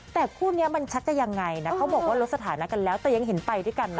แต่คู่นี้มันชักจะยังไงนะเขาบอกว่าลดสถานะกันแล้วแต่ยังเห็นไปด้วยกันนะ